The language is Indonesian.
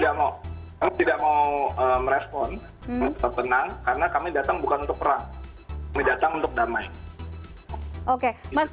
kami tidak mau merespon karena kami datang bukan untuk perang kami datang untuk damai